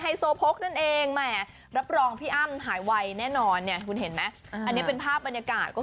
โซโพกนั่นเองแหมรับรองพี่อ้ำหายไวแน่นอนเนี่ยคุณเห็นไหมอันนี้เป็นภาพบรรยากาศก็